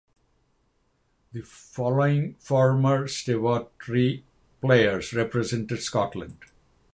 The following former Stewartry players represented Scotland.